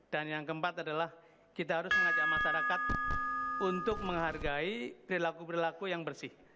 dan yang keempat adalah kita harus mengajak masyarakat untuk menghargai perilaku perilaku yang bersih